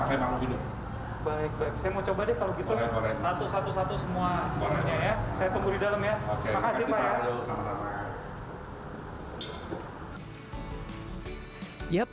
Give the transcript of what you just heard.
terima kasih pak